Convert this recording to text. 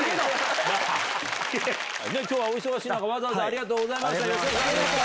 今日はお忙しい中わざわざありがとうございました。